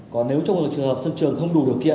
còn nếu trong một trường hợp sân trường không đủ điều kiện